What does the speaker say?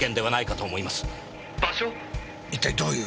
一体どういう？